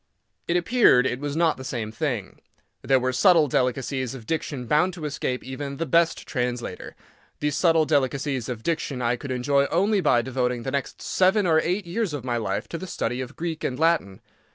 It appeared it was not the same thing. There were subtle delicacies of diction bound to escape even the best translator. These subtle delicacies of diction I could enjoy only by devoting the next seven or eight years of my life to the study of Greek and Latin.